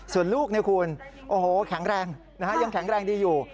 ส่วนลูกเนี่ยคุณโอ้โหแข็งแรงยังแข็งแรงดีอยู่